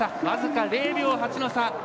僅か０秒８の差。